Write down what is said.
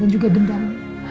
dan juga dendam